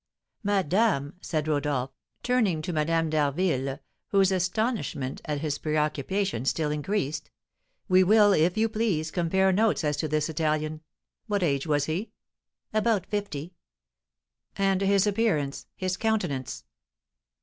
"Madame," said Rodolph, turning to Madame d'Harville, whose astonishment at his preoccupation still increased, "we will, if you please, compare notes as to this Italian. What age was he?" "About fifty." "And his appearance, his countenance?"